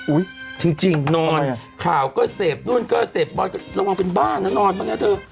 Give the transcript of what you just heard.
จริงนอนข่าวก็เสพนู่นก็เสพบอลก็ระวังเป็นบ้านนะนอนบ้างนะเธอ